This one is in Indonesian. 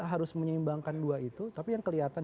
harus menyeimbangkan dua itu tapi yang kelihatan